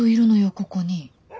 ここに。